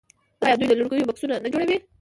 آیا دوی د لرګیو بکسونه نه جوړوي؟